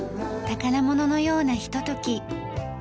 宝物のようなひととき。